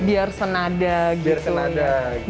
biar senada gitu